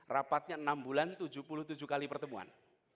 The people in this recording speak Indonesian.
rapatnya enam bulan tujuh puluh tujuh kali pertemuan